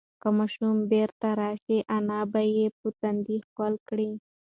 که ماشوم بیرته راشي، انا به یې په تندي ښکل کړي.